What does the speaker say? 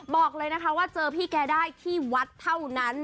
บอกเลยนะคะว่าเจอพี่แกได้ที่วัดเท่านั้น